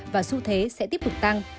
và xu thế sẽ tiếp tục tăng